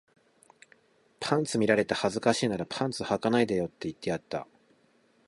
パンツ見られて恥ずかしいならパンツ履かないでよって言ってやった